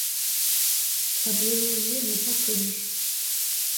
Sa biologie n'est pas connue.